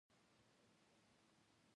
که ګاونډي ته مصیبت وي، تسلیت ورکړه